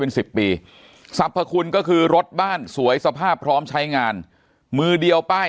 เป็นสิบปีสรรพคุณก็คือรถบ้านสวยสภาพพร้อมใช้งานมือเดียวป้าย